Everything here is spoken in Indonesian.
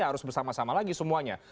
harus bersama sama lagi semuanya